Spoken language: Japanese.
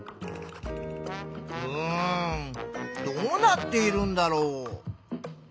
うんどうなっているんだろう？